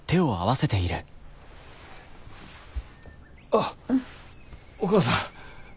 あっお義母さん。